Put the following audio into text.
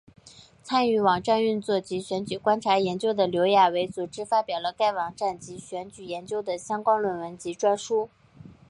参与网站运作及选举观察研究的刘亚伟组织发表了该网站及选举研究的相关论文及专书。